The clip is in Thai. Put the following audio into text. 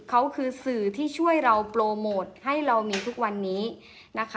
เขาคือสื่อที่ช่วยเราโปรโมทให้เรามีทุกวันนี้นะคะ